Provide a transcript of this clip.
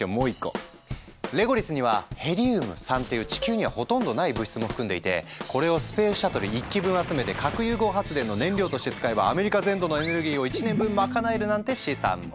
レゴリスには「ヘリウム３」っていう地球にはほとんどない物質も含んでいてこれをスペースシャトル１機分集めて核融合発電の燃料として使えばアメリカ全土のエネルギーを１年分賄えるなんて試算も。